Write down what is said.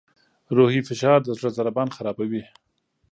روحي فشار د زړه ضربان خرابوي.